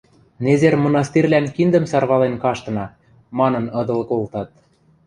«Незер мынастирлӓн киндӹм сарвален каштына», манын ыдыл колтат.